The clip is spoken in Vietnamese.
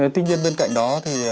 tuy nhiên bên cạnh đó